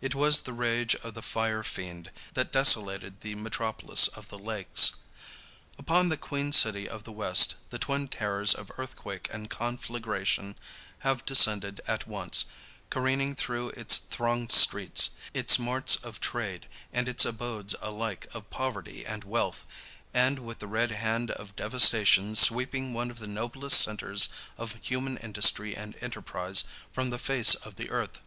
It was the rage of the fire fiend that desolated the metropolis of the lakes. Upon the Queen City of the West the twin terrors of earthquake and conflagration have descended at once, careening through its thronged streets, its marts of trade, and its abodes alike of poverty and wealth, and with the red hand of devastation sweeping one of the noblest centres of human industry and enterprise from the face of the earth.